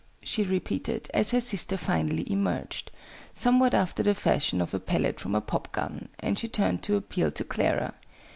she repeated, as her sister finally emerged, somewhat after the fashion of a pellet from a pop gun, and she turned to appeal to Clara.